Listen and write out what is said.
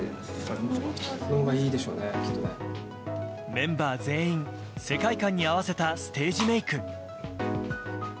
メンバー全員、世界観に合わせたステージメイク。